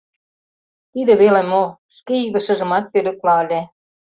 Тиде веле мо — шке илышыжымат пӧлекла ыле...